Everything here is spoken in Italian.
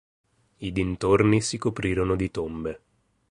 I dintorni si coprirono di tombe.